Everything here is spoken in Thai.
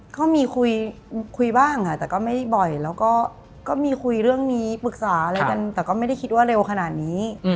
ก็มีคุยบ้างแต่ก็ไม่บ่อยแล้วก็มีคุยเรื่องนี้ปรึกษาอะไรกันแต่ก็ไม่ได้คิดว่าเร็วขนาดนี้